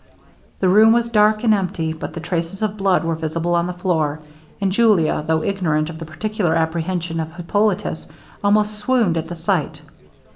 The room was dark and empty; but the traces of blood were visible on the floor; and Julia, though ignorant of the particular apprehension of Hippolitus, almost swooned at the sight.